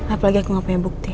apalagi aku gak punya bukti